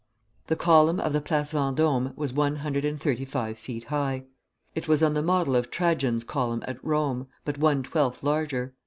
The column of the Place Vendôme was one hundred and thirty five feet high. It was on the model of Trajan's column at Rome, but one twelfth larger.